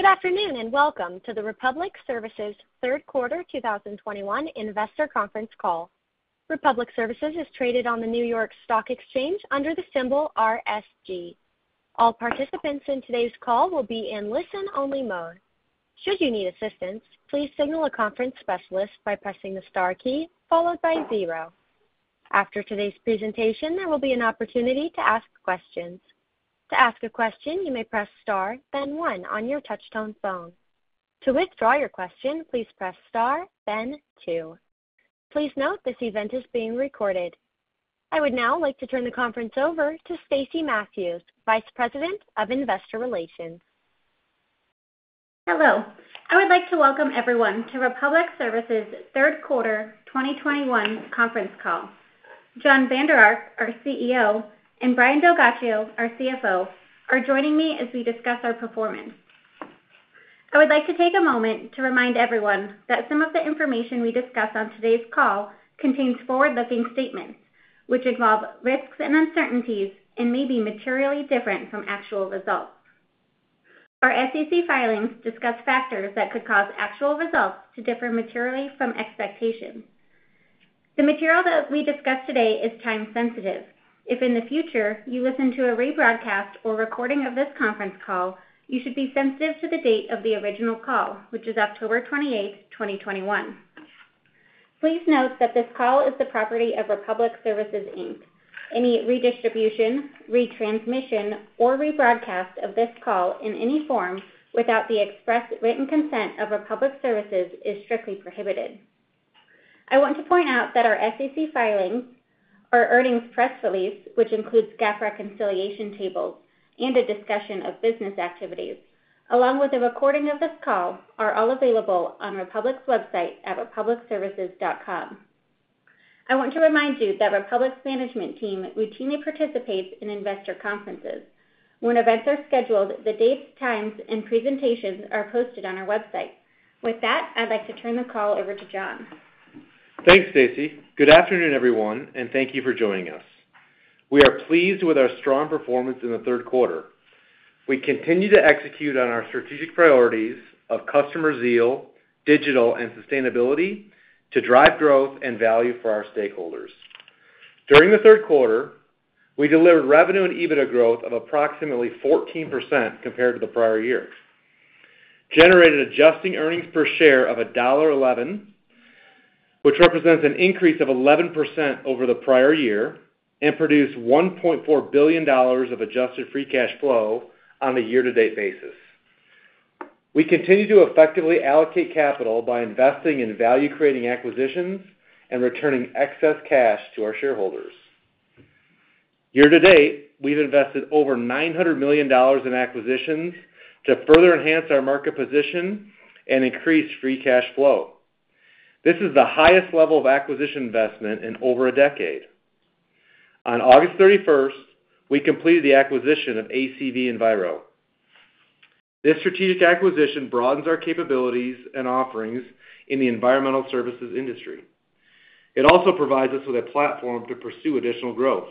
Good afternoon, and welcome to the Republic Services Q3 2021 investor conference call. Republic Services is traded on the New York Stock Exchange under the symbol RSG. All participants in today's call will be in listen-only mode. Should you need assistance, please signal a conference specialist by pressing the star key followed by zero. After today's presentation, there will be an opportunity to ask questions. To ask a question, you may press star, then one on your touch-tone phone. To withdraw your question, please press star then two. Please note this event is being recorded. I would now like to turn the conference over to Stacey Mathews, Vice President of Investor Relations. Hello. I would like to welcome everyone to Republic Services' Q3 2021 conference call. Jon Vander Ark, our CEO, and Brian DelGhiaccio, our CFO, are joining me as we discuss our performance. I would like to take a moment to remind everyone that some of the information we discuss on today's call contains forward-looking statements, which involve risks and uncertainties and may be materially different from actual results. Our SEC filings discuss factors that could cause actual results to differ materially from expectations. The material that we discuss today is time sensitive. If in the future you listen to a rebroadcast or recording of this conference call, you should be sensitive to the date of the original call, which is October 28th, 2021. Please note that this call is the property of Republic Services Inc. Any redistribution, retransmission, or rebroadcast of this call in any form without the express written consent of Republic Services is strictly prohibited. I want to point out that our SEC filings, our earnings press release, which includes GAAP reconciliation tables and a discussion of business activities, along with a recording of this call, are all available on Republic's website at republicservices.com. I want to remind you that Republic's management team routinely participates in investor conferences. When events are scheduled, the dates, times, and presentations are posted on our website. With that, I'd like to turn the call over to Jon. Thanks, Stacey. Good afternoon, everyone, and thank you for joining us. We are pleased with our strong performance in the Q3. We continue to execute on our strategic priorities of customer zeal, digital, and sustainability to drive growth and value for our stakeholders. During the Q3, we delivered revenue and EBITDA growth of approximately 14% compared to the prior year, generated adjusted earnings per share of $1.11, which represents an increase of 11% over the prior year, and produced $1.4 billion of adjusted free cash flow on a year-to-date basis. We continue to effectively allocate capital by investing in value-creating acquisitions and returning excess cash to our shareholders. Year-to-date, we've invested over $900 million in acquisitions to further enhance our market position and increase free cash flow. This is the highest level of acquisition investment in over a decade. On August 31, we completed the acquisition of ACV Enviro. This strategic acquisition broadens our capabilities and offerings in the environmental services industry. It also provides us with a platform to pursue additional growth.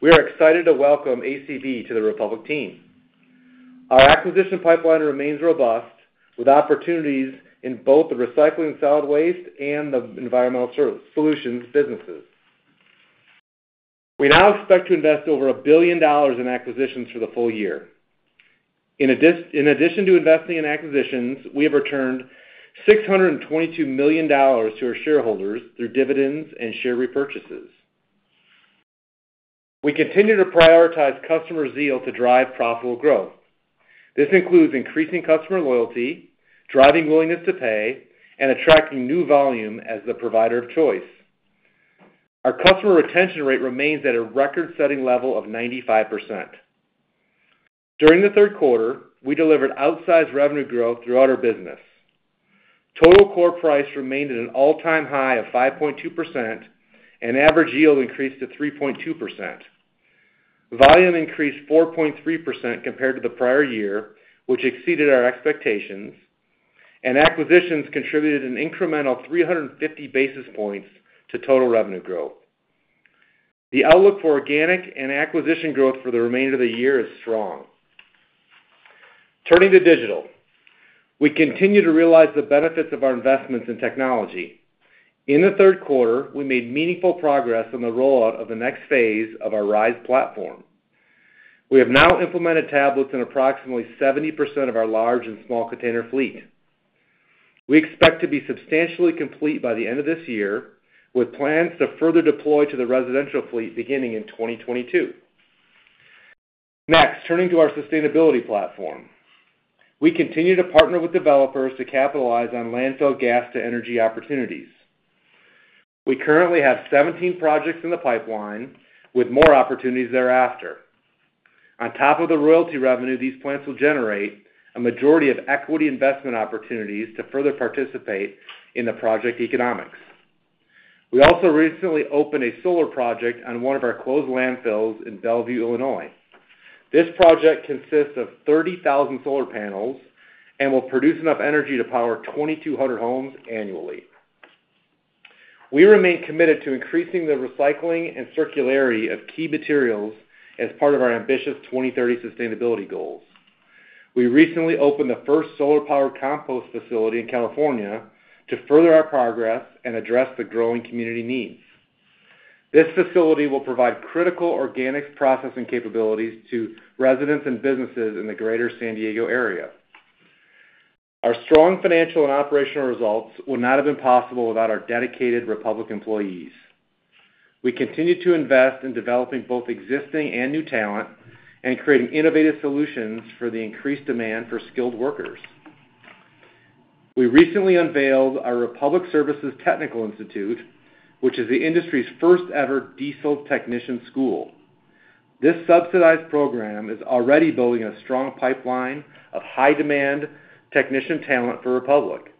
We are excited to welcome ACV to the Republic team. Our acquisition pipeline remains robust, with opportunities in both the recycling, solid waste, and the environmental solutions businesses. We now expect to invest over $1 billion in acquisitions for the full year. In addition to investing in acquisitions, we have returned $622 million to our shareholders through dividends and share repurchases. We continue to prioritize customer zeal to drive profitable growth. This includes increasing customer loyalty, driving willingness to pay, and attracting new volume as the provider of choice. Our customer retention rate remains at a record-setting level of 95%. During the Q3, we delivered outsized revenue growth throughout our business. Total core price remained at an all-time high of 5.2%, and average yield increased to 3.2%. Volume increased 4.3% compared to the prior year, which exceeded our expectations, and acquisitions contributed an incremental 350 basis points to total revenue growth. The outlook for organic and acquisition growth for the remainder of the year is strong. Turning to digital, we continue to realize the benefits of our investments in technology. In the Q3, we made meaningful progress on the rollout of the next phase of our RISE Platform. We have now implemented tablets in approximately 70% of our large and small container fleet. We expect to be substantially complete by the end of this year, with plans to further deploy to the residential fleet beginning in 2022. Next, turning to our sustainability platform. We continue to partner with developers to capitalize on landfill gas to energy opportunities. We currently have 17 projects in the pipeline, with more opportunities thereafter. On top of the royalty revenue these plants will generate, a majority of equity investment opportunities to further participate in the project economics. We also recently opened a solar project on one of our closed landfills in Belleville, Illinois. This project consists of 30,000 solar panels and will produce enough energy to power 2,200 homes annually. We remain committed to increasing the recycling and circularity of key materials as part of our ambitious 2030 sustainability goals. We recently opened the first solar powered compost facility in California to further our progress and address the growing community needs. This facility will provide critical organic processing capabilities to residents and businesses in the Greater San Diego area. Our strong financial and operational results would not have been possible without our dedicated Republic employees. We continue to invest in developing both existing and new talent and creating innovative solutions for the increased demand for skilled workers. We recently unveiled our Republic Services Technical Institute, which is the industry's first ever diesel technician school. This subsidized program is already building a strong pipeline of high demand technician talent for Republic.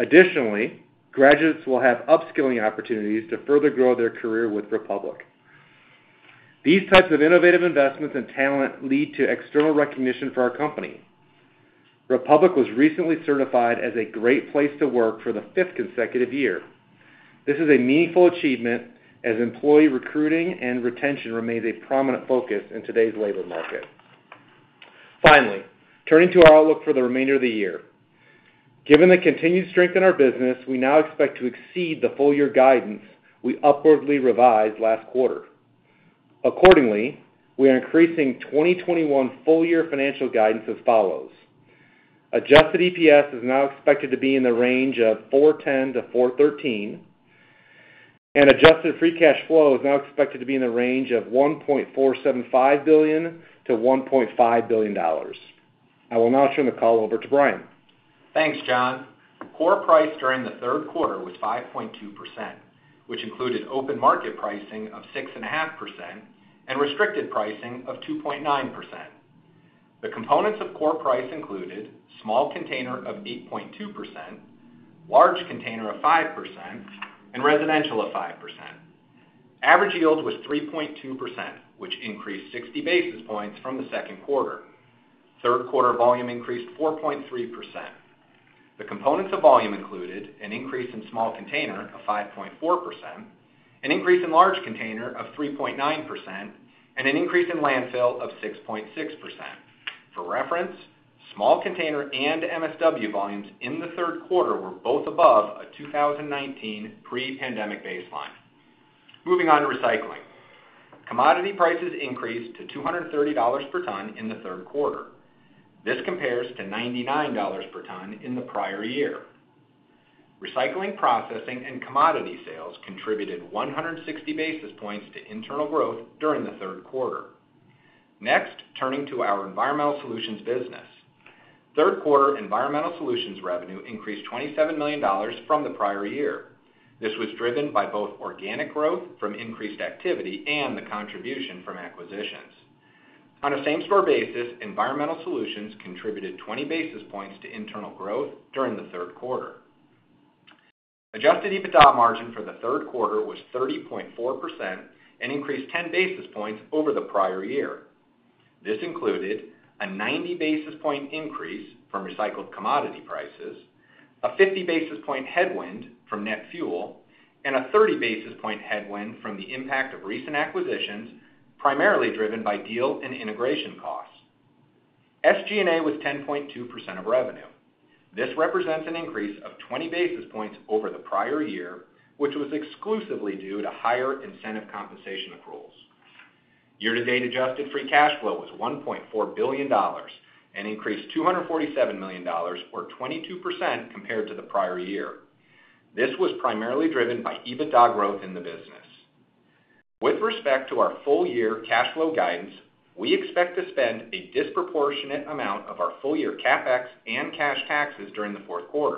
Additionally, graduates will have upskilling opportunities to further grow their career with Republic. These types of innovative investments in talent lead to external recognition for our company. Republic was recently certified as a great place to work for the fifth consecutive year. This is a meaningful achievement as employee recruiting and retention remains a prominent focus in today's labor market. Finally, turning to our outlook for the remainder of the year. Given the continued strength in our business, we now expect to exceed the full year guidance we upwardly revised last quarter. Accordingly, we are increasing 2021 full year financial guidance as follows. Adjusted EPS is now expected to be in the range of $4.10-$4.13, and adjusted free cash flow is now expected to be in the range of $1.475 billion-$1.5 billion. I will now turn the call over to Brian. Thanks, Jon. Core price during the Q3 was 5.2%, which included open market pricing of 6.5% and restricted pricing of 2.9%. The components of core price included small container of 8.2%, large container of 5%, and residential of 5%. Average yield was 3.2%, which increased 60 basis points from the Q2. Q3 volume increased 4.3%. The components of volume included an increase in small container of 5.4%, an increase in large container of 3.9%, and an increase in landfill of 6.6%. For reference, small container and MSW volumes in the Q3 were both above a 2019 pre-pandemic baseline. Moving on to recycling. Commodity prices increased to $230 per ton in the Q3. This compares to $99 per ton in the prior year. Recycling, processing and commodity sales contributed 100 basis points to internal growth during the Q3. Next, turning to our environmental solutions business. Q3 environmental solutions revenue increased $27 million from the prior year. This was driven by both organic growth from increased activity and the contribution from acquisitions. On a same store basis, environmental solutions contributed 20 basis points to internal growth during the Q3. Adjusted EBITDA margin for the Q3 was 30.4% and increased 10 basis points over the prior year. This included a 90 basis point increase from recycled commodity prices, a 50 basis point headwind from net fuel, and a 30 basis point headwind from the impact of recent acquisitions, primarily driven by deal and integration costs. SG&A was 10.2% of revenue. This represents an increase of 20 basis points over the prior year, which was exclusively due to higher incentive compensation accruals. Year-to-date adjusted free cash flow was $1.4 billion, and increased $247 million or 22% compared to the prior year. This was primarily driven by EBITDA growth in the business. With respect to our full year cash flow guidance, we expect to spend a disproportionate amount of our full year CapEx and cash taxes during the Q4.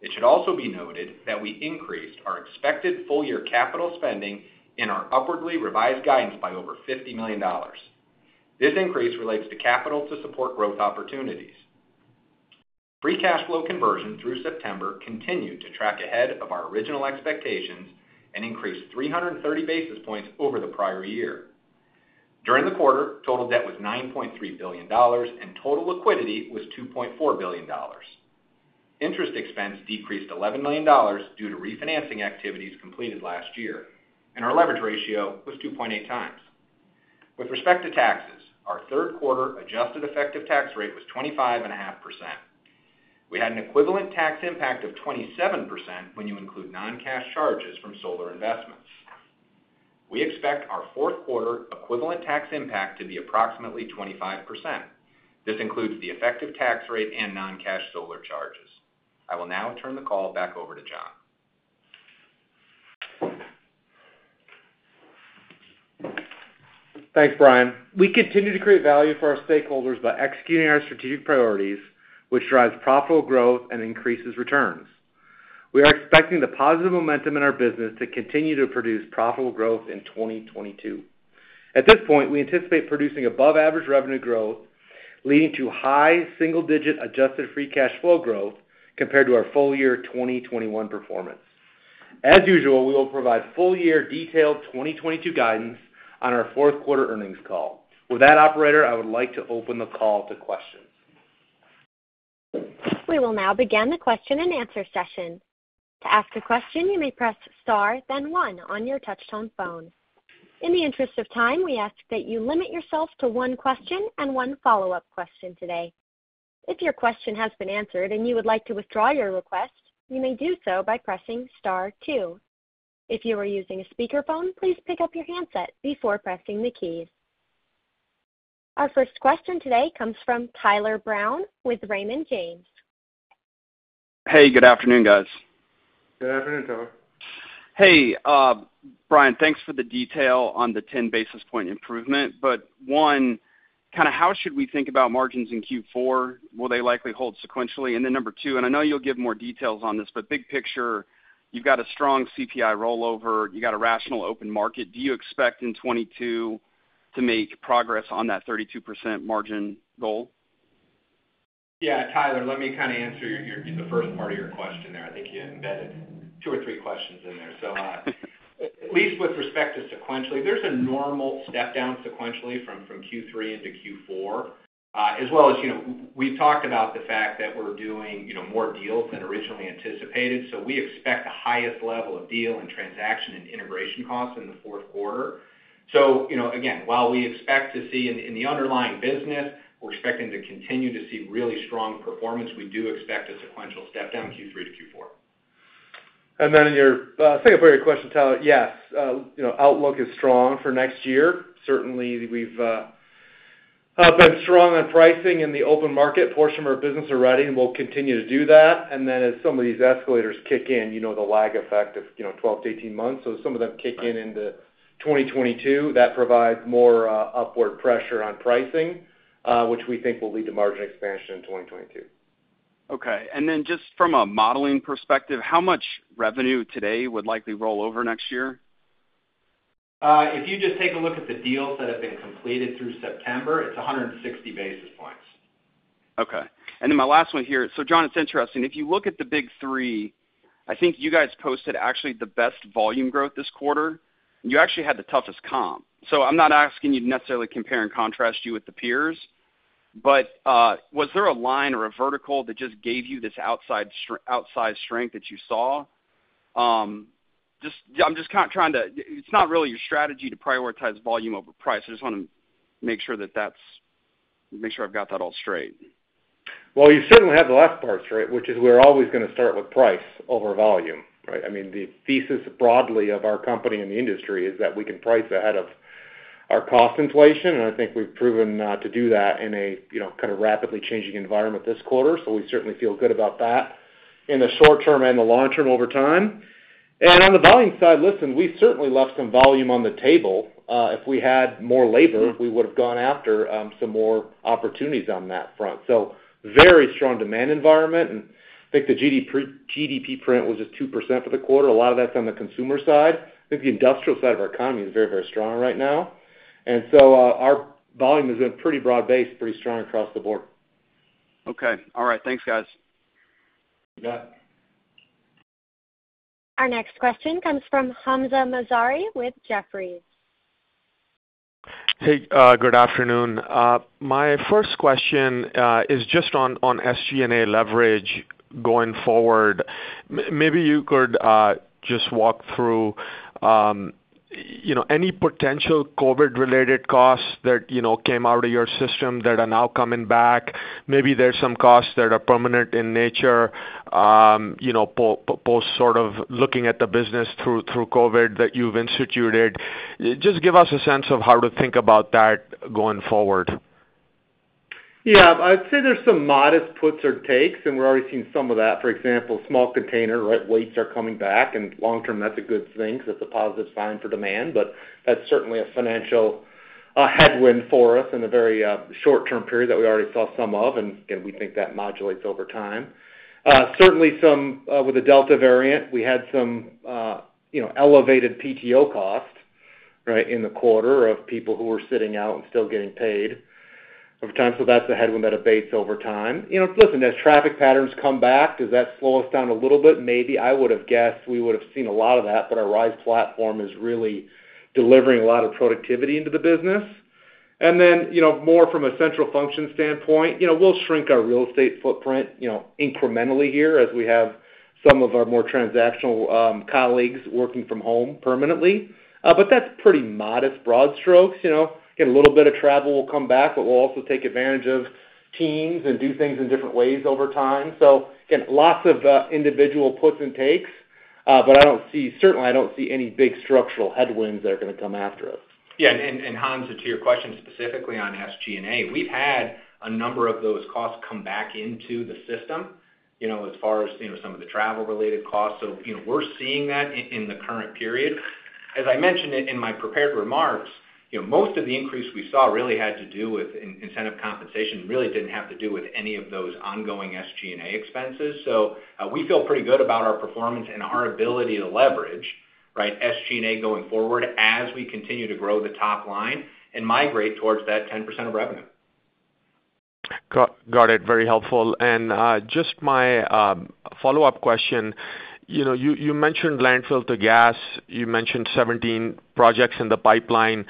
It should also be noted that we increased our expected full-year capital spending in our upwardly revised guidance by over $50 million. This increase relates to capital to support growth opportunities. Free cash flow conversion through September continued to track ahead of our original expectations and increased 330 basis points over the prior year. During the quarter, total debt was $9.3 billion, and total liquidity was $2.4 billion. Interest expense decreased $11 million due to refinancing activities completed last year, and our leverage ratio was 2.8 times. With respect to taxes, our Q3 adjusted effective tax rate was 25.5%. We had an equivalent tax impact of 27% when you include non-cash charges from solar investments. We expect our Q4 equivalent tax impact to be approximately 25%. This includes the effective tax rate and non-cash solar charges. I will now turn the call back over to Jon. Thanks, Brian. We continue to create value for our stakeholders by executing our strategic priorities, which drives profitable growth and increases returns. We are expecting the positive momentum in our business to continue to produce profitable growth in 2022. At this point, we anticipate producing above average revenue growth, leading to high single-digit adjusted free cash flow growth compared to our full year 2021 performance. As usual, we will provide full year detailed 2022 guidance on our Q4 earnings call. With that, operator, I would like to open the call to questions. We will now begin the question-and-answer session. To ask a question, you may press star then one on your touchtone phone. In the interest of time, we ask that you limit yourself to one question and one follow-up question today. If your question has been answered and you would like to withdraw your request, you may do so by pressing star two. If you are using a speakerphone, please pick up your handset before pressing the keys. Our first question today comes from Tyler Brown with Raymond James. Hey, good afternoon, guys. Good afternoon, Tyler. Hey, Brian, thanks for the detail on the 10 basis point improvement. One, kinda, how should we think about margins in Q4? Will they likely hold sequentially? Number two, I know you'll give more details on this, but big picture, you've got a strong CPI rollover, you've got a rational open market. Do you expect in 2022 to make progress on that 32% margin goal? Yeah. Tyler, let me kinda answer your the first part of your question there. I think you embedded two or three questions in there. At least with respect to sequentially, there's a normal step down sequentially from Q3 into Q4, as well as, you know, we talked about the fact that we're doing, you know, more deals than originally anticipated, so we expect the highest level of deal and transaction and integration costs in the Q4. You know, again, while we expect to see in the underlying business, we're expecting to continue to see really strong performance. We do expect a sequential step down Q3 to Q4. Then in your second part of your question, Tyler, yes, you know, outlook is strong for next year. Certainly, we've been strong on pricing in the open market portion of our business already, and we'll continue to do that. Then as some of these escalators kick in, you know, the lag effect of 12-18 months. Some of them kick in in 2022. That provides more upward pressure on pricing, which we think will lead to margin expansion in 2022. Okay. Just from a modeling perspective, how much revenue today would likely roll over next year? If you just take a look at the deals that have been completed through September, it's 160 basis points. Okay. My last one here. Jon, it's interesting. If you look at the big three, I think you guys posted actually the best volume growth this quarter, and you actually had the toughest comp. I'm not asking you to necessarily compare and contrast you with the peers. Was there a line or a vertical that just gave you this outside strength that you saw? Just, I'm just trying to. It's not really your strategy to prioritize volume over price. I just wanna make sure that that's, make sure I've got that all straight. Well, you certainly have the last part straight, which is we're always gonna start with price over volume, right? I mean, the thesis broadly of our company and the industry is that we can price ahead of our cost inflation, and I think we've proven to do that in a you know kind of rapidly changing environment this quarter. We certainly feel good about that in the short term and the long term over time. On the volume side, listen, we certainly left some volume on the table. If we had more labor, we would've gone after some more opportunities on that front. Very strong demand environment, and I think the GDP print was at 2% for the quarter. A lot of that's on the consumer side. I think the industrial side of our economy is very, very strong right now. Our volume is a pretty broad base, pretty strong across the board. Okay. All right. Thanks, guys. You bet. Our next question comes from Hamzah Mazari with Jefferies. Hey, good afternoon. My first question is just on SG&A leverage going forward. Maybe you could just walk through, you know, any potential COVID-related costs that, you know, came out of your system that are now coming back. Maybe there's some costs that are permanent in nature, you know, post sort of looking at the business through COVID that you've instituted. Just give us a sense of how to think about that going forward. Yeah. I'd say there's some modest puts or takes, and we're already seeing some of that. For example, small container, right, weights are coming back, and long term, that's a good thing 'cause it's a positive sign for demand. But that's certainly a financial headwind for us in a very short-term period that we already saw some of, and we think that modulates over time. Certainly some with the Delta variant, we had some you know, elevated PTO costs, right, in the quarter of people who were sitting out and still getting paid over time. So that's a headwind that abates over time. You know, listen, as traffic patterns come back, does that slow us down a little bit? Maybe. I would have guessed we would have seen a lot of that, but our RISE Platform is really delivering a lot of productivity into the business. Then, you know, more from a central function standpoint, you know, we'll shrink our real estate footprint, you know, incrementally here as we have some of our more transactional colleagues working from home permanently. That's pretty modest broad strokes. You know, again, a little bit of travel will come back, but we'll also take advantage of Teams and do things in different ways over time. Again, lots of individual puts and takes, but I don't see, certainly I don't see any big structural headwinds that are gonna come after us. Hamzah, to your question specifically on SG&A, we've had a number of those costs come back into the system, you know, as far as, you know, some of the travel-related costs. We're seeing that in the current period. As I mentioned in my prepared remarks, you know, most of the increase we saw really had to do with incentive compensation, really didn't have to do with any of those ongoing SG&A expenses. We feel pretty good about our performance and our ability to leverage, right, SG&A going forward as we continue to grow the top line and migrate towards that 10% of revenue. Got it. Very helpful. Just my follow-up question. You know, you mentioned landfill to gas. You mentioned 17 projects in the pipeline.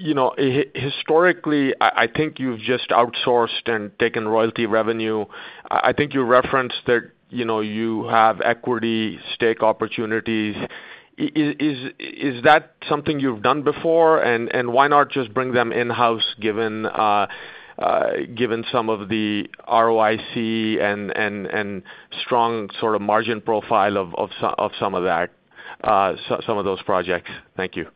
You know, historically, I think you've just outsourced and taken royalty revenue. I think you referenced that, you know, you have equity stake opportunities. Is that something you've done before? Why not just bring them in-house given some of the ROIC and strong sort of margin profile of some of those projects? Thank you.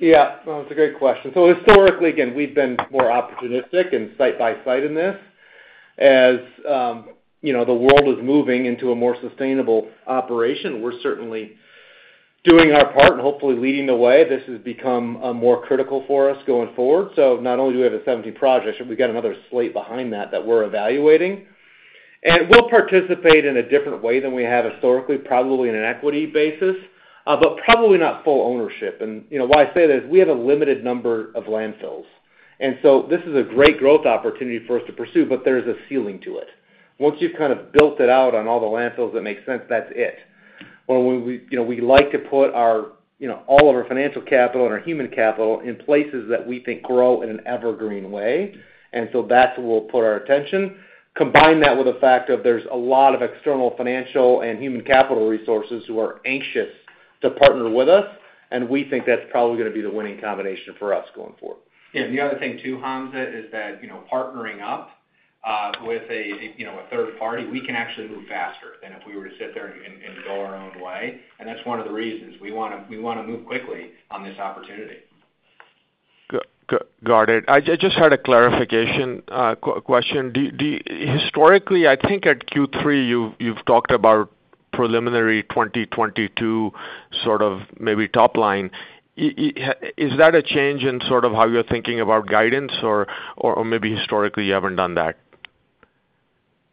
Yeah. No, it's a great question. Historically, again, we've been more opportunistic and site by site in this. As you know, the world is moving into a more sustainable operation, we're certainly doing our part and hopefully leading the way. This has become more critical for us going forward. Not only do we have the 17 projects, but we've got another slate behind that we're evaluating. We'll participate in a different way than we have historically, probably in an equity basis, but probably not full ownership. You know, why I say that is we have a limited number of landfills. This is a great growth opportunity for us to pursue, but there's a ceiling to it. Once you've kind of built it out on all the landfills that make sense, that's it. When we you know we like to put our you know all of our financial capital and our human capital in places that we think grow in an evergreen way. That's where we'll put our attention. Combine that with the fact that there's a lot of external financial and human capital resources who are anxious to partner with us, and we think that's probably gonna be the winning combination for us going forward. Yeah. The other thing too, Hamzah, is that, you know, partnering up with a, you know, a third party, we can actually move faster than if we were to sit there and go our own way. That's one of the reasons we wanna move quickly on this opportunity. Got it. I just had a clarification question. Do you historically, I think at Q3, you've talked about preliminary 2022 sort of maybe top line. Is that a change in sort of how you're thinking about guidance or maybe historically you haven't done that?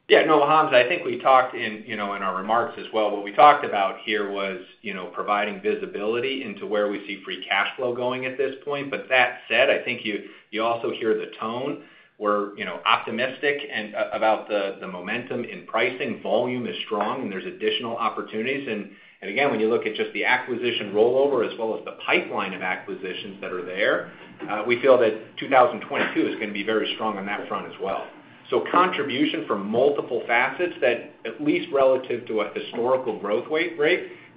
Yeah. No, Hamzah, I think we talked in, you know, in our remarks as well. What we talked about here was, you know, providing visibility into where we see free cash flow going at this point. But that said, I think you also hear the tone. We're, you know, optimistic and about the momentum in pricing. Volume is strong, and there's additional opportunities. And again, when you look at just the acquisition rollover as well as the pipeline of acquisitions that are there, we feel that 2022 is gonna be very strong on that front as well. Contribution from multiple facets that at least relative to a historical growth rate,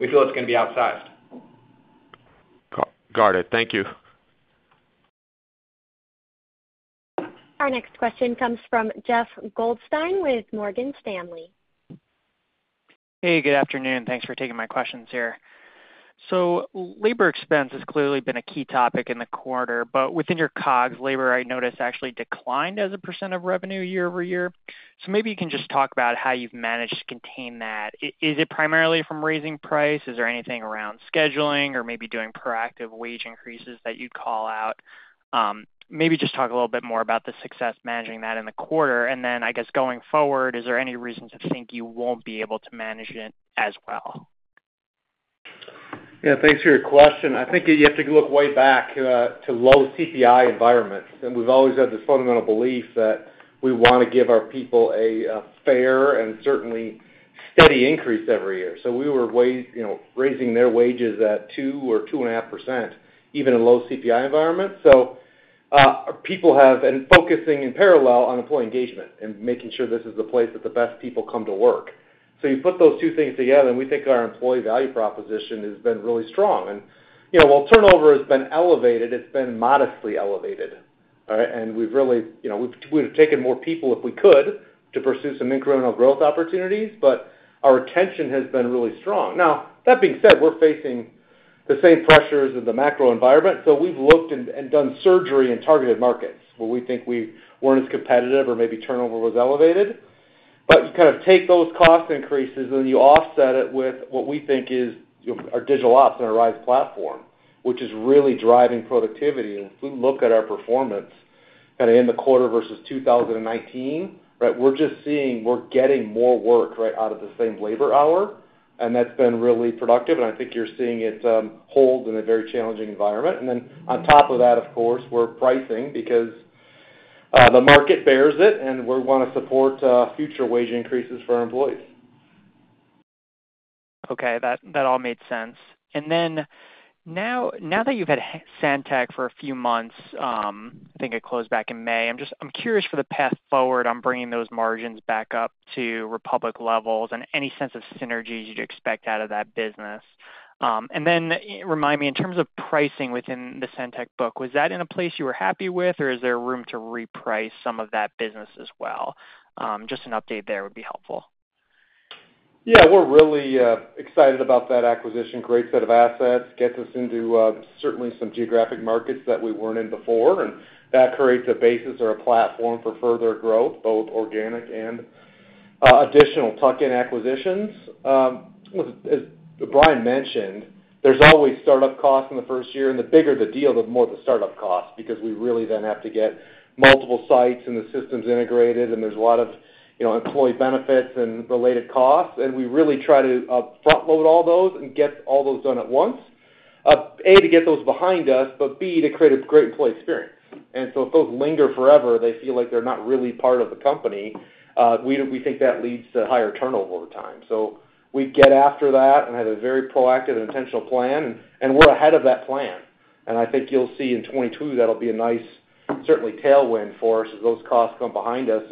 we feel it's gonna be outsized. Got it. Thank you. Our next question comes from Jeffrey Goldstein with Morgan Stanley. Hey, good afternoon. Thanks for taking my questions here. Labor expense has clearly been a key topic in the quarter, but within your COGS, labor, I noticed, actually declined as a % of revenue year-over-year. Maybe you can just talk about how you've managed to contain that. Is it primarily from raising price? Is there anything around scheduling or maybe doing proactive wage increases that you'd call out? Maybe just talk a little bit more about the success managing that in the quarter. I guess, going forward, is there any reason to think you won't be able to manage it as well? Yeah, thanks for your question. I think you have to look way back to low CPI environments. We've always had this fundamental belief that we wanna give our people a fair and certainly steady increase every year. We were raising their wages at 2% or 2.5%, even in low CPI environments. People have been focusing in parallel on employee engagement and making sure this is the place that the best people come to work. You put those two things together, and we think our employee value proposition has been really strong. While turnover has been elevated, it's been modestly elevated. All right? We've really taken more people if we could to pursue some incremental growth opportunities, but our retention has been really strong. Now, that being said, we're facing the same pressures of the macro environment. We've looked and done surgery in targeted markets where we think we weren't as competitive or maybe turnover was elevated. You kind of take those cost increases, and you offset it with what we think is our digital ops and our RISE platform, which is really driving productivity. If we look at our performance kind of in the quarter versus 2019, right? We're just seeing we're getting more work right out of the same labor hour, and that's been really productive. I think you're seeing it hold in a very challenging environment. On top of that, of course, we're pricing because the market bears it, and we wanna support future wage increases for our employees. Okay, that all made sense. Now that you've had Santek for a few months, I think it closed back in May. I'm curious for the path forward on bringing those margins back up to Republic levels and any sense of synergies you'd expect out of that business. Remind me, in terms of pricing within the Santek book, was that in a place you were happy with, or is there room to reprice some of that business as well? Just an update there would be helpful. Yeah, we're really excited about that acquisition. Great set of assets. Gets us into certainly some geographic markets that we weren't in before, and that creates a basis or a platform for further growth, both organic and additional tuck-in acquisitions. As Brian mentioned, there's always startup costs in the first year, and the bigger the deal, the more the startup cost because we really then have to get multiple sites and the systems integrated, and there's a lot of, you know, employee benefits and related costs. We really try to front load all those and get all those done at once. A, to get those behind us, but B, to create a great employee experience. If those linger forever, they feel like they're not really part of the company. We think that leads to higher turnover over time. We get after that and have a very proactive intentional plan, and we're ahead of that plan. I think you'll see in 2022 that'll be a nice certainly tailwind for us as those costs come behind us.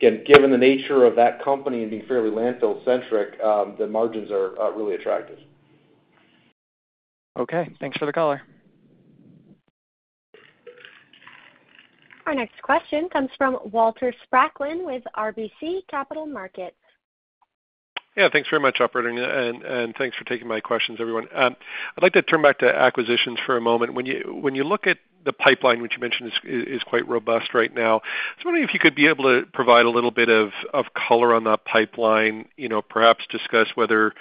Again, given the nature of that company and being fairly landfill-centric, the margins are really attractive. Okay, thanks for the color. Our next question comes from Walter Spracklin with RBC Capital Markets. Yeah, thanks very much, operator, and thanks for taking my questions, everyone. I'd like to turn back to acquisitions for a moment. When you look at the pipeline, which you mentioned is quite robust right now, I was wondering if you could be able to provide a little bit of color on that pipeline, you know, perhaps discuss whether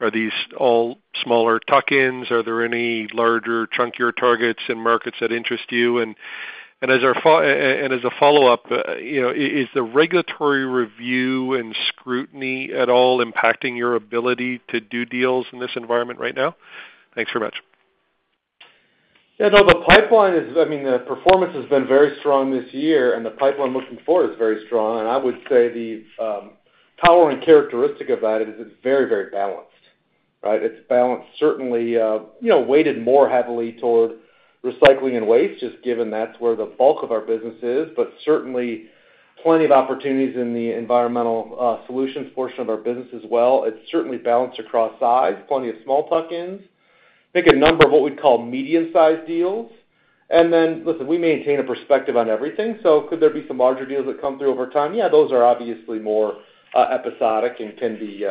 are these all smaller tuck-ins. Are there any larger chunkier targets in markets that interest you? And as a follow-up, you know, is the regulatory review and scrutiny at all impacting your ability to do deals in this environment right now? Thanks very much. Yeah, no, I mean, the performance has been very strong this year, and the pipeline looking forward is very strong. I would say the towering characteristic about it is it's very, very balanced, right? It's balanced certainly, you know, weighted more heavily toward recycling and waste, just given that's where the bulk of our business is, but certainly plenty of opportunities in the Environmental Solutions portion of our business as well. It's certainly balanced across size, plenty of small tuck-ins. I think a number of what we'd call medium-sized deals. Then, listen, we maintain a perspective on everything. Could there be some larger deals that come through over time? Yeah, those are obviously more episodic and can be,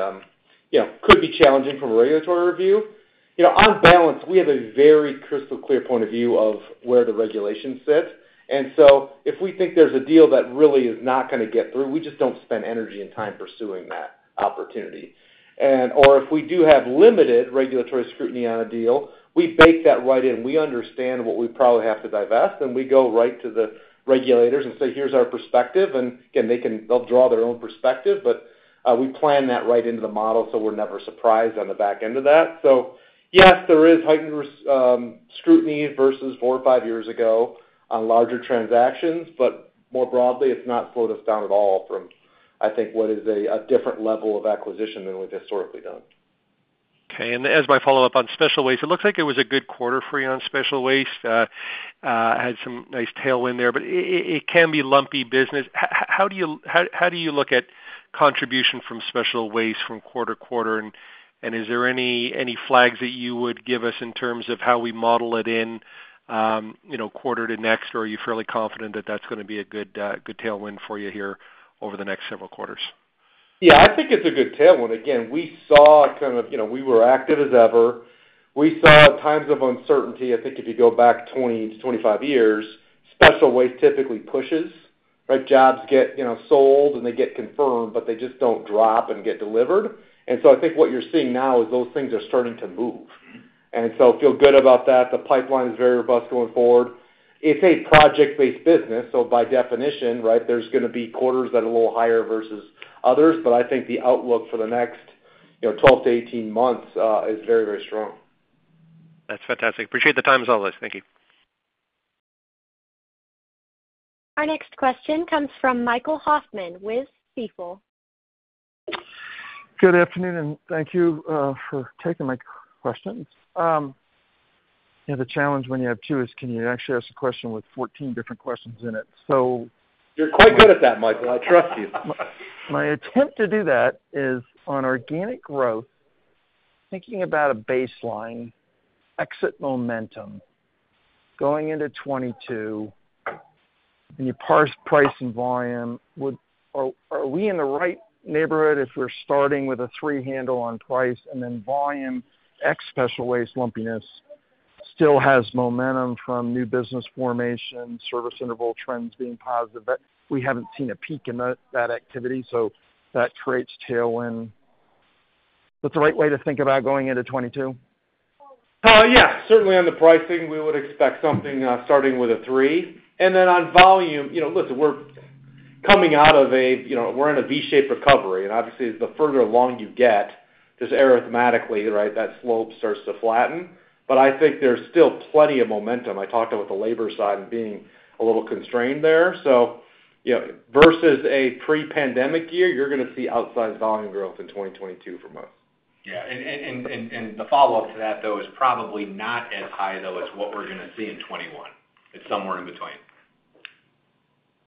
you know, could be challenging from a regulatory review. You know, on balance, we have a very crystal clear point of view of where the regulation sits. If we think there's a deal that really is not gonna get through, we just don't spend energy and time pursuing that opportunity. Or if we do have limited regulatory scrutiny on a deal, we bake that right in. We understand what we probably have to divest, and we go right to the regulators and say, "Here's our perspective." They'll draw their own perspective, but we plan that right into the model, so we're never surprised on the back end of that. Yes, there is heightened scrutiny versus four or five years ago on larger transactions, but more broadly, it's not slowed us down at all from, I think, what is a different level of acquisition than we've historically done. Okay. As my follow-up on special waste, it looks like it was a good quarter for you on special waste. Had some nice tailwind there, but it can be lumpy business. How do you look at contribution from special waste from quarter to quarter? Is there any flags that you would give us in terms of how we model it in, you know, quarter to next? Or are you fairly confident that that's gonna be a good tailwind for you here over the next several quarters? Yeah, I think it's a good tailwind. Again, we saw kind of, you know, we were active as ever. We saw times of uncertainty. I think if you go back 20-25 years, special waste typically pushes, right? Jobs get, you know, sold and they get confirmed, but they just don't drop and get delivered. I think what you're seeing now is those things are starting to move. I feel good about that. The pipeline is very robust going forward. It's a project-based business, so by definition, right, there's gonna be quarters that are a little higher versus others. I think the outlook for the next, you know, 12-18 months is very, very strong. That's fantastic. Appreciate the time as always. Thank you. Our next question comes from Michael Hoffman with Stifel. Good afternoon, and thank you for taking my questions. Yeah, the challenge when you have two is can you actually ask a question with 14 different questions in it? You're quite good at that, Michael. I trust you. My attempt to do that is on organic growth, thinking about a baseline exit momentum going into 2022, and you parse price and volume. Are we in the right neighborhood if we're starting with a three handle on price and then volume ex special waste lumpiness still has momentum from new business formation, service interval trends being positive, but we haven't seen a peak in that activity, so that creates tailwind. That's the right way to think about going into 2022? Yeah. Certainly on the pricing, we would expect something starting with a 3. On volume, you know, listen, we're coming out of a, you know, we're in a V-shaped recovery, and obviously the further along you get, just arithmetically, right, that slope starts to flatten. I think there's still plenty of momentum. I talked about the labor side and being a little constrained there. You know, versus a pre-pandemic year, you're gonna see outsized volume growth in 2022 from us. The follow-up to that, though, is probably not as high, though, as what we're gonna see in 2021. It's somewhere in between.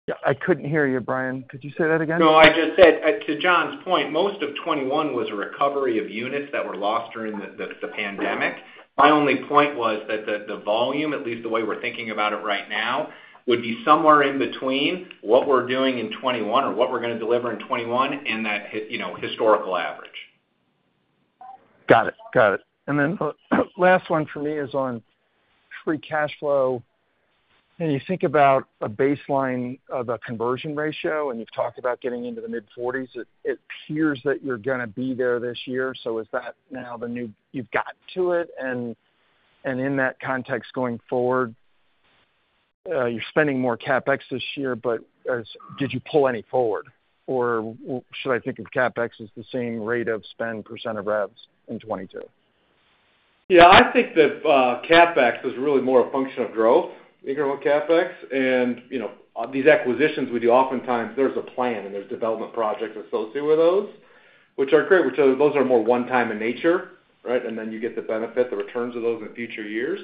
Yeah, I couldn't hear you, Brian. Could you say that again? No, I just said, to Jon's point, most of 2021 was a recovery of units that were lost during the pandemic. My only point was that the volume, at least the way we're thinking about it right now, would be somewhere in between what we're doing in 2021 or what we're gonna deliver in 2021 and that, you know, historical average. Got it. Last one for me is on free cash flow. When you think about a baseline of a conversion ratio, and you've talked about getting into the mid-forties, it appears that you're gonna be there this year. Is that now the new you've gotta hit? In that context going forward, you're spending more CapEx this year, but did you pull any forward? Or should I think of CapEx as the same rate of spend % of revs in 2022? Yeah, I think that, CapEx is really more a function of growth, incremental CapEx. You know, these acquisitions we do, oftentimes there's a plan and there's development projects associated with those, which are great. Which, those are more one-time in nature, right? Then you get the benefit, the returns of those in future years.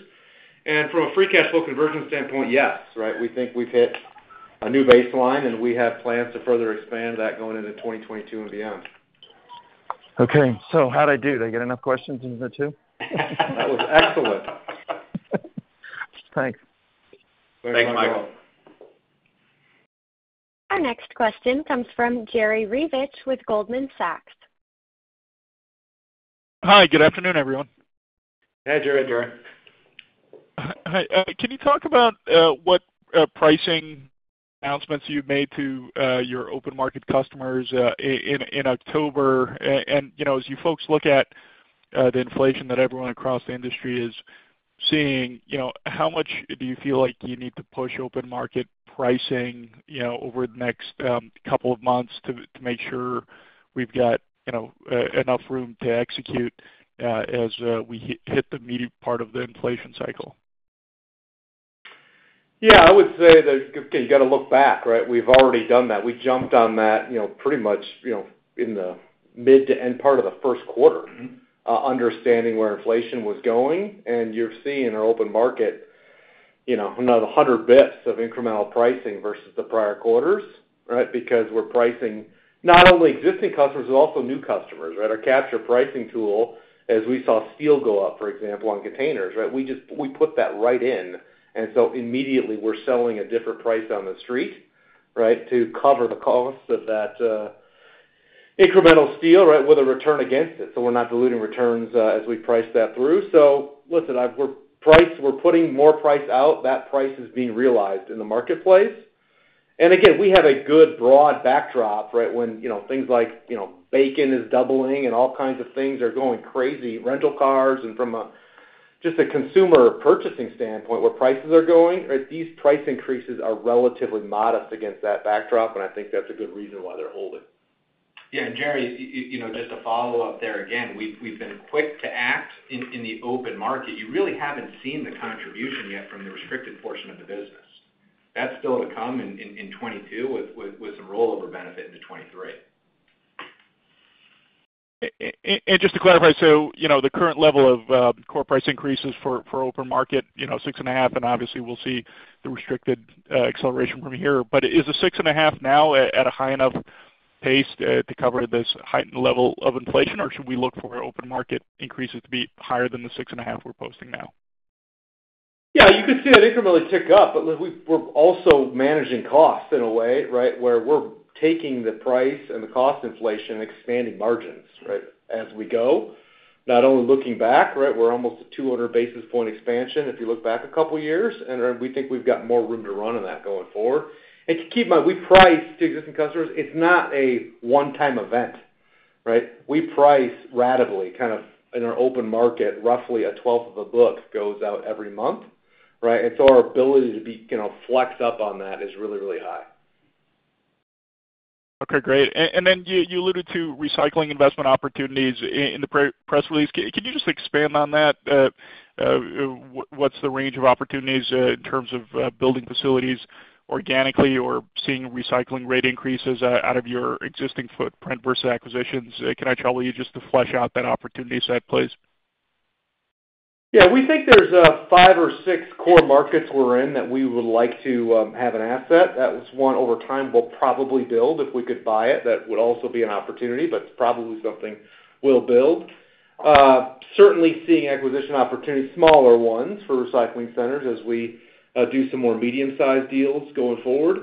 From a free cash flow conversion standpoint, yes, right? We think we've hit a new baseline, and we have plans to further expand that going into 2022 and beyond. Okay. How'd I do? Did I get enough questions in there too? That was excellent. Thanks. Thanks, Michael. Thanks, Michael. Our next question comes from Jerry Revich with Goldman Sachs. Hi. Good afternoon, everyone. Hey, Jerry. How are you? Hi. Can you talk about what pricing announcements you've made to your open market customers in October? You know, as you folks look at the inflation that everyone across the industry is seeing, you know, how much do you feel like you need to push open market pricing, you know, over the next couple of months to make sure we've got, you know, enough room to execute as we hit the meaty part of the inflation cycle? Yeah, I would say that, again, you gotta look back, right? We've already done that. We jumped on that, you know, pretty much, you know, in the mid to end part of the Q1. Mm-hmm Understanding where inflation was going. You're seeing our open market, you know, another 100 basis points of incremental pricing versus the prior quarters, right? Because we're pricing not only existing customers, but also new customers, right? Our capture pricing tool, as we saw steel go up, for example, on containers, right, we just put that right in. Immediately we're selling a different price on the street, right, to cover the cost of that incremental steel, right, with a return against it, so we're not diluting returns as we price that through. Listen, we're priced. We're putting more price out. That price is being realized in the marketplace. Again, we have a good broad backdrop, right, when, you know, things like, you know, bacon is doubling and all kinds of things are going crazy, rental cars. From just a consumer purchasing standpoint, where prices are going, right, these price increases are relatively modest against that backdrop, and I think that's a good reason why they're holding. Yeah. Jerry, you know, just to follow up there, again, we've been quick to act in the open market. You really haven't seen the contribution yet from the restricted portion of the business. That's still to come in 2022 with some rollover benefit into 2023. Just to clarify, so you know, the current level of core price increases for open market, you know, 6.5%, and obviously we'll see the restricted acceleration from here. But is the 6.5% now at a high enough pace to cover this heightened level of inflation, or should we look for open market increases to be higher than the 6.5% we're posting now? Yeah, you could see that incrementally tick up, but we're also managing costs in a way, right, where we're taking the price and the cost inflation and expanding margins, right, as we go. Not only looking back, right? We're almost at 200 basis point expansion if you look back a couple years, and we think we've got more room to run in that going forward. Keep in mind, we price to existing customers. It's not a one-time event, right? We price ratably, kind of in our open market, roughly a twelfth of a book goes out every month, right? Our ability to be, you know, flex up on that is really, really high. Okay, great. You alluded to recycling investment opportunities in the pre-press release. Can you just expand on that? What's the range of opportunities in terms of building facilities organically or seeing recycling rate increases out of your existing footprint versus acquisitions? Can I trouble you just to flesh out that opportunity set, please? Yeah, we think there's five or six core markets we're in that we would like to have an asset. That was one over time we'll probably build. If we could buy it, that would also be an opportunity, but it's probably something we'll build. Certainly seeing acquisition opportunities, smaller ones, for recycling centers as we do some more medium-sized deals going forward.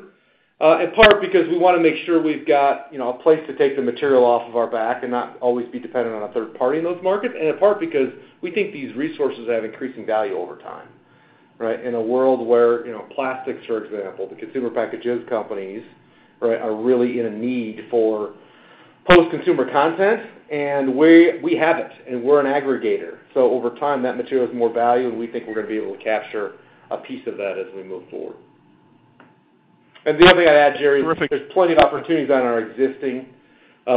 In part because we wanna make sure we've got, you know, a place to take the material off of our back and not always be dependent on a third party in those markets, and in part because we think these resources have increasing value over time, right? In a world where, you know, plastics, for example, the consumer packaged goods companies, right, are really in a need for post-consumer content. We have it, and we're an aggregator. Over time, that material is more value, and we think we're gonna be able to capture a piece of that as we move forward. The other thing I'd add, Jerry- Terrific - there's plenty of opportunities on our existing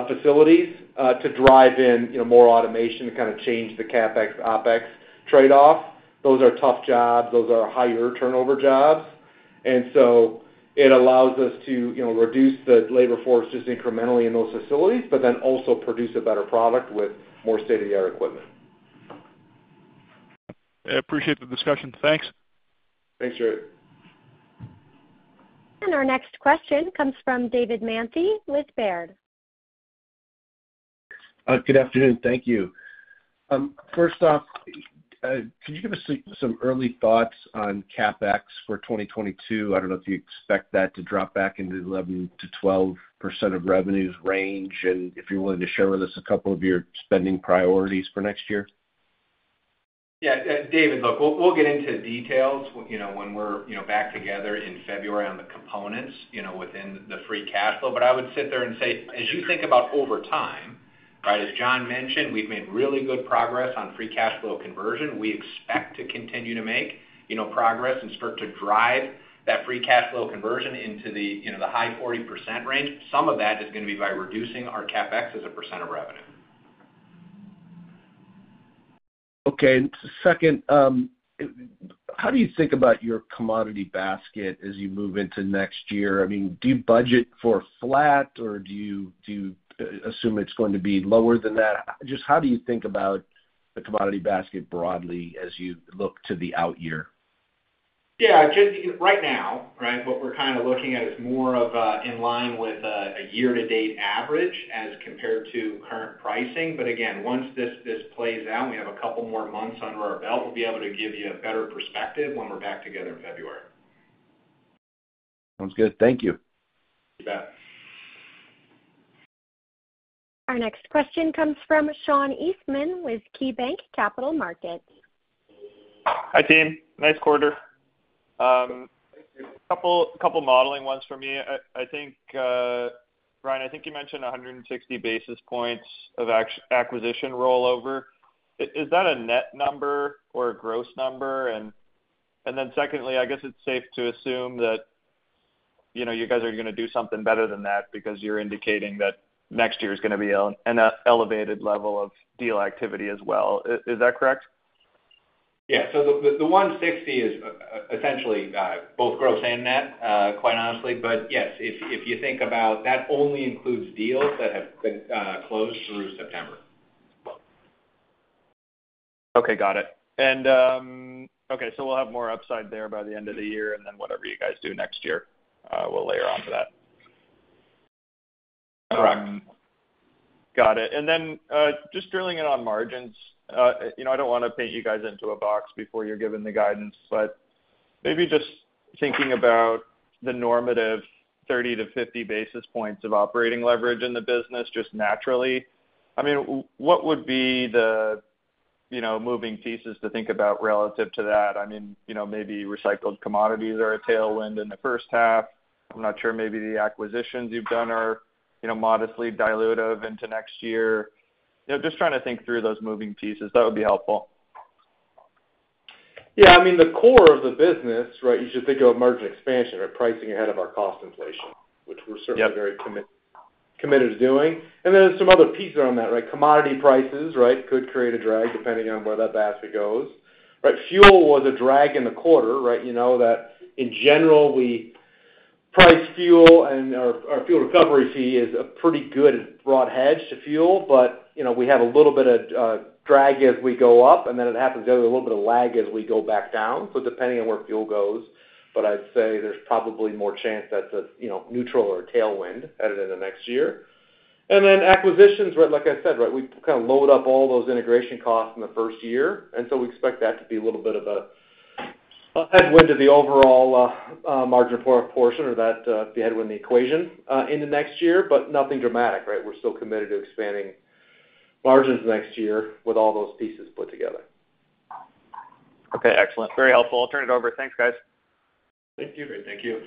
facilities to drive in, you know, more automation to kind of change the CapEx-OpEx trade-off. Those are tough jobs. Those are higher turnover jobs. It allows us to, you know, reduce the labor force just incrementally in those facilities, but then also produce a better product with more state-of-the-art equipment. I appreciate the discussion. Thanks. Thanks, Jerry. Our next question comes from David Manthey with Baird. Good afternoon. Thank you. First off, could you give us some early thoughts on CapEx for 2022? I don't know if you expect that to drop back into 11%-12% of revenues range, and if you're willing to share with us a couple of your spending priorities for next year. Yeah. David, look, we'll get into details, you know, when we're, you know, back together in February on the components, you know, within the free cash flow. I would sit there and say, as you think about over time, right, as Jon mentioned, we've made really good progress on free cash flow conversion. We expect to continue to make, you know, progress and start to drive that free cash flow conversion into the, you know, the high 40% range. Some of that is gonna be by reducing our CapEx as a percent of revenue. Okay. Second, how do you think about your commodity basket as you move into next year? I mean, do you budget for flat or do you assume it's going to be lower than that? Just how do you think about the commodity basket broadly as you look to the out year? Yeah. Just right now, right? What we're kind of looking at is more of, in line with, a year-to-date average as compared to current pricing. Again, once this plays out and we have a couple more months under our belt, we'll be able to give you a better perspective when we're back together in February. Sounds good. Thank you. You bet. Our next question comes from Sean Eastman with KeyBanc Capital Markets. Hi, team. Nice quarter. A couple modeling ones for me. I think, Brian, you mentioned 160 basis points of acquisition rollover. Is that a net number or a gross number? Secondly, I guess it's safe to assume that, you know, you guys are gonna do something better than that because you're indicating that next year is gonna be an elevated level of deal activity as well. Is that correct? Yeah. The $160 is essentially both gross and net, quite honestly. Yes, if you think about that only includes deals that have been closed through September. Okay, got it. Okay, so we'll have more upside there by the end of the year and then whatever you guys do next year, we'll layer on to that. Correct. Got it. Just drilling down on margins. You know, I don't want to paint you guys into a box before you're given the guidance, but maybe just thinking about the normative 30-50 basis points of operating leverage in the business just naturally. I mean, what would be the, you know, moving pieces to think about relative to that? I mean, you know, maybe recycled commodities are a tailwind in the first half. I'm not sure, maybe the acquisitions you've done are, you know, modestly dilutive into next year. You know, just trying to think through those moving pieces, that would be helpful. Yeah. I mean, the core of the business, right, you should think of margin expansion or pricing ahead of our cost inflation, which we're certainly very committed to doing. Then there's some other pieces on that, right? Commodity prices, right, could create a drag depending on where that basket goes. Right. Fuel was a drag in the quarter, right? You know that in general, we price fuel and our fuel recovery fee is a pretty good broad hedge to fuel. You know, we have a little bit of drag as we go up, and then it happens to have a little bit of lag as we go back down, so depending on where fuel goes. I'd say there's probably more chance that's a, you know, neutral or tailwind headed into next year. Then acquisitions, right, like I said, right, we kind of load up all those integration costs in the first year, and so we expect that to be a little bit of a headwind to the overall margin for our portion or that the headwind in the equation into next year, but nothing dramatic, right? We're still committed to expanding margins next year with all those pieces put together. Okay, excellent. Very helpful. I'll turn it over. Thanks, guys. Thank you. Great. Thank you.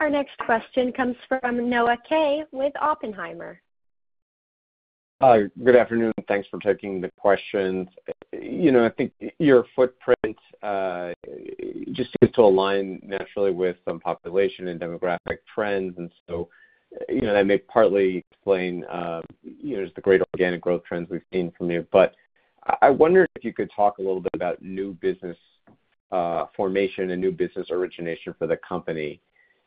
Our next question comes from Noah Kaye with Oppenheimer. Hi. Good afternoon. Thanks for taking the questions. You know, I think your footprint just seems to align naturally with some population and demographic trends, and so, you know, that may partly explain, you know, just the great organic growth trends we've seen from you. But I wonder if you could talk a little bit about new business formation and new business origination for the company.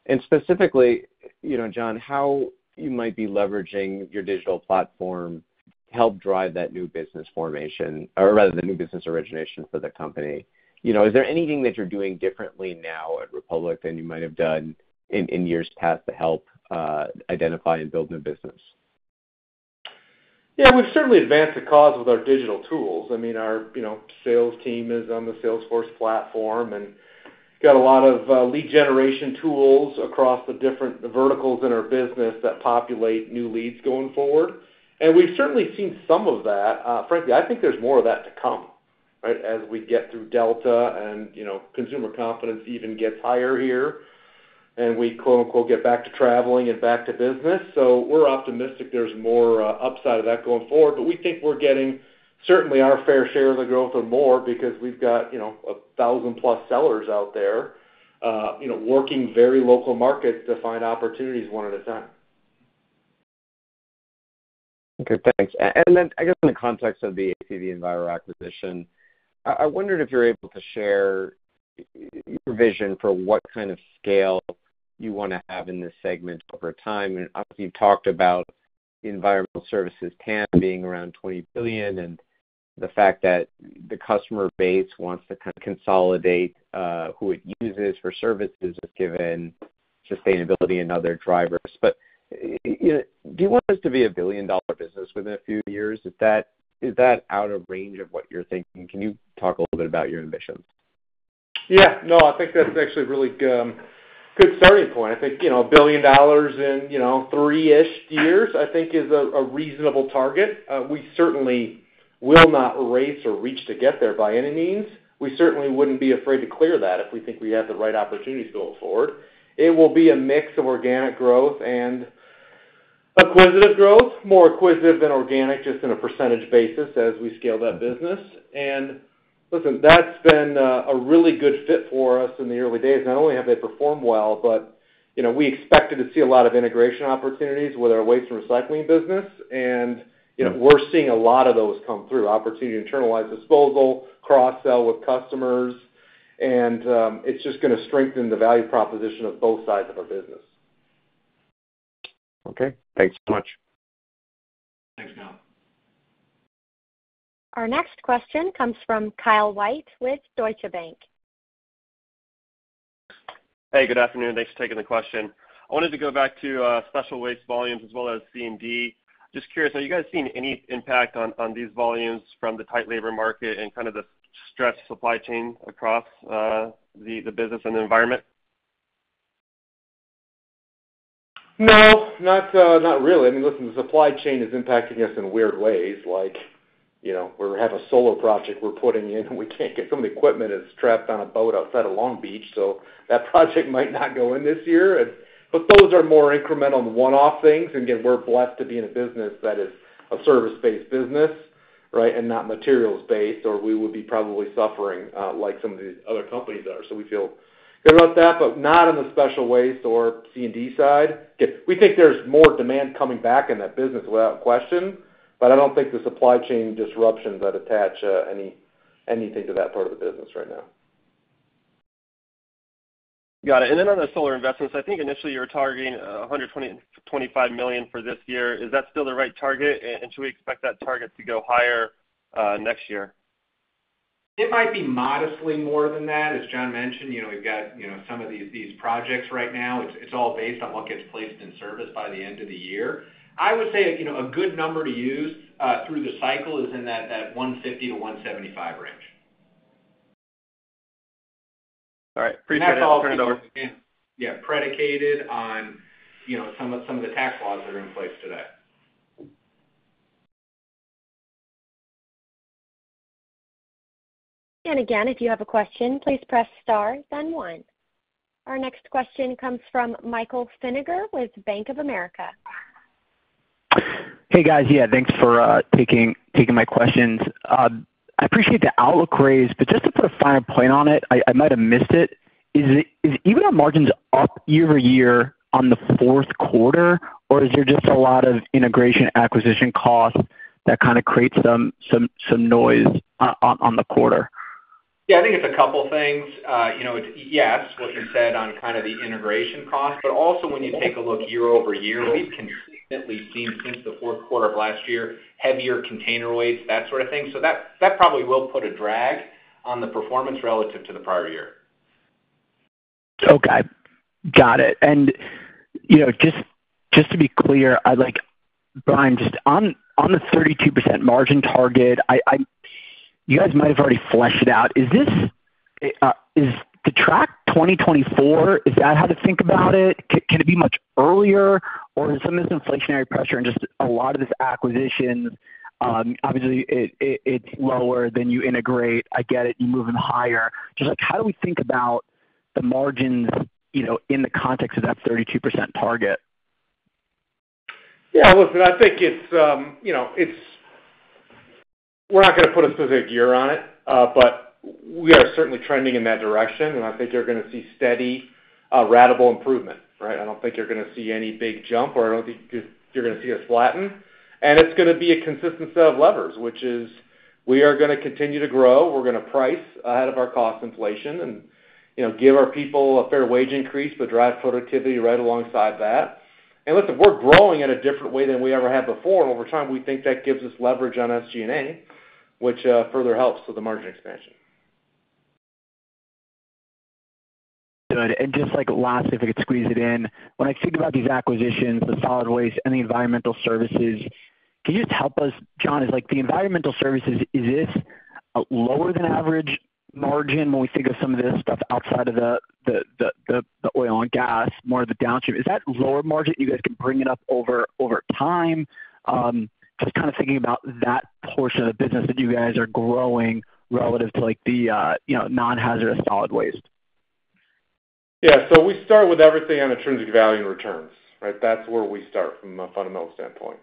And specifically, you know, Jon, how you might be leveraging your digital platform to help drive that new business formation or rather the new business origination for the company. You know, is there anything that you're doing differently now at Republic than you might have done in years past to help identify and build new business? Yeah, we've certainly advanced the cause with our digital tools. I mean, our, you know, sales team is on the Salesforce platform, and got a lot of lead generation tools across the different verticals in our business that populate new leads going forward. We've certainly seen some of that. Frankly, I think there's more of that to come, right, as we get through Delta and, you know, consumer confidence even gets higher here and we "get back to traveling and back to business." We're optimistic there's more upside of that going forward. We think we're getting certainly our fair share of the growth or more because we've got, you know, 1,000+ sellers out there, you know, working very local markets to find opportunities one at a time. Okay, thanks. And then I guess in the context of the ACV Enviro acquisition, I wondered if you're able to share your vision for what kind of scale you wanna have in this segment over time. Obviously you've talked about environmental services TAM being around $20 billion and the fact that the customer base wants to kind of consolidate who it uses for services given sustainability and other drivers. You know, do you want this to be a billion-dollar business within a few years? Is that out of range of what you're thinking? Can you talk a little bit about your ambitions? Yeah. No, I think that's actually a really good starting point. I think, you know, $1 billion in, you know, three-ish years, I think is a reasonable target. We certainly will not race or reach to get there by any means. We certainly wouldn't be afraid to clear that if we think we have the right opportunities going forward. It will be a mix of organic growth and acquisitive growth, more acquisitive than organic, just in a percentage basis as we scale that business. Listen, that's been a really good fit for us in the early days. Not only have they performed well, but, you know, we expected to see a lot of integration opportunities with our waste and recycling business. You know, we're seeing a lot of those come through. Opportunity to internalize disposal, cross-sell with customers, and it's just gonna strengthen the value proposition of both sides of our business. Okay. Thanks so much. Thanks, Kyle. Our next question comes from Kyle White with Deutsche Bank. Hey, good afternoon. Thanks for taking the question. I wanted to go back to special waste volumes as well as C&D. Just curious, are you guys seeing any impact on these volumes from the tight labor market and kind of the stressed supply chain across the business and the environment? No, not really. I mean, listen, the supply chain is impacting us in weird ways, like, you know, we have a solar project we're putting in and we can't get some of the equipment is trapped on a boat outside of Long Beach, so that project might not go in this year. Those are more incremental and one-off things. Again, we're blessed to be in a business that is a service-based business, right, and not materials-based, or we would be probably suffering like some of these other companies are. We feel good about that, but not in the special waste or C&D side. We think there's more demand coming back in that business without question, but I don't think the supply chain disruptions that attach anything to that part of the business right now. Got it. Then on the solar investments, I think initially you were targeting $120 million-$125 million for this year. Is that still the right target? Should we expect that target to go higher next year? It might be modestly more than that. As Jon mentioned, you know, we've got, you know, some of these projects right now. It's all based on what gets placed in service by the end of the year. I would say, you know, a good number to use through the cycle is in that 150-175 range. All right. Appreciate it. I'll turn it over. Yeah. Predicated on, you know, some of the tax laws that are in place today. Again, if you have a question, please press star then one. Our next question comes from Michael Feniger with Bank of America. Hey, guys. Yeah, thanks for taking my questions. I appreciate the outlook raise, but just to put a finer point on it, I might have missed it. Is EBITDA margins up year-over-year on the Q4, or is there just a lot of integration and acquisition costs that kinda creates some noise on the quarter? Yeah, I think it's a couple things. You know, it's, yes, what you said on kinda the integration cost, but also when you take a look year-over-year, we've consistently seen since the Q4 of last year, heavier container weights, that sort of thing. That probably will put a drag on the performance relative to the prior year. Okay. Got it. You know, just to be clear, I'd like Brian, just on the 32% margin target. You guys might have already fleshed it out. Is this the track to 2024, is that how to think about it? Can it be much earlier? Or is some of this inflationary pressure and just a lot of this acquisition, obviously it's lower than you integrate, I get it, you're moving higher. Just like how do we think about the margins, you know, in the context of that 32% target? Yeah. Listen, I think it's, you know, we're not gonna put a specific year on it, but we are certainly trending in that direction, and I think you're gonna see steady, ratable improvement, right? I don't think you're gonna see any big jump, or I don't think you're gonna see us flatten. It's gonna be a consistent set of levers, which is we are gonna continue to grow. We're gonna price ahead of our cost inflation and, you know, give our people a fair wage increase but drive productivity right alongside that. Listen, we're growing at a different way than we ever have before. Over time, we think that gives us leverage on SG&A, which further helps with the margin expansion. Good. Just like last, if I could squeeze it in. When I think about these acquisitions, the solid waste and the environmental services, can you just help us, Jon, is like the environmental services, is this a lower than average margin when we think of some of this stuff outside of the oil and gas, more of the downstream? Is that lower margin you guys can bring it up over time? Just kinda thinking about that portion of the business that you guys are growing relative to like, you know, non-hazardous solid waste. Yeah. We start with everything on intrinsic value and returns, right? That's where we start from a fundamental standpoint.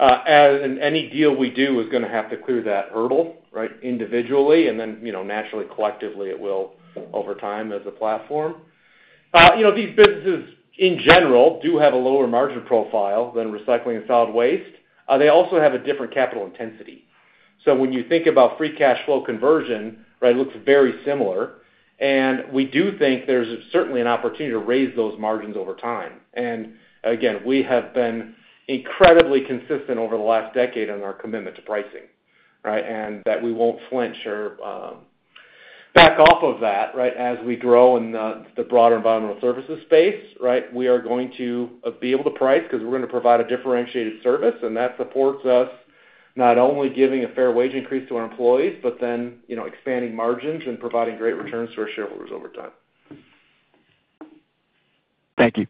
Any deal we do is gonna have to clear that hurdle, right, individually and then, you know, naturally, collectively it will over time as a platform. You know, these businesses in general do have a lower margin profile than recycling and solid waste. They also have a different capital intensity. When you think about free cash flow conversion, right, it looks very similar. We do think there's certainly an opportunity to raise those margins over time. Again, we have been incredibly consistent over the last decade on our commitment to pricing, right? That we won't flinch or back off of that, right? As we grow in the broader environmental services space, right, we are going to be able to price 'cause we're gonna provide a differentiated service, and that supports us not only giving a fair wage increase to our employees, but then, you know, expanding margins and providing great returns to our shareholders over time. Thank you.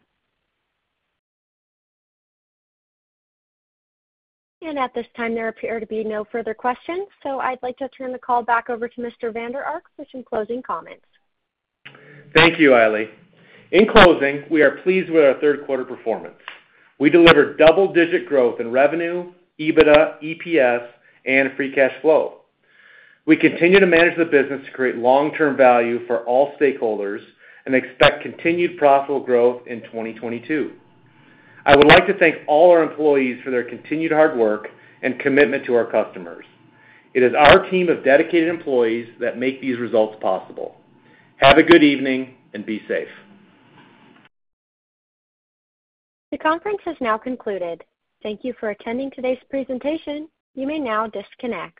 At this time, there appear to be no further questions, so I'd like to turn the call back over to Mr. Vander Ark for some closing comments. Thank you, Hailey. In closing, we are pleased with our Q3 performance. We delivered double-digit growth in revenue, EBITDA, EPS, and free cash flow. We continue to manage the business to create long-term value for all stakeholders and expect continued profitable growth in 2022. I would like to thank all our employees for their continued hard work and commitment to our customers. It is our team of dedicated employees that make these results possible. Have a good evening and be safe. The conference has now concluded. Thank you for attending today's presentation. You may now disconnect.